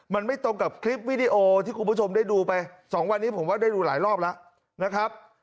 มันไม่ตรงกับคลิปวิดีโอที่คุณผู้ชมได้ดูไป๒วันนี้ผมว่าได้ดูหลายรอบแล้วนะครับ